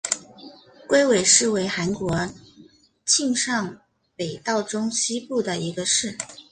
龟尾市为韩国庆尚北道中西部的一个市。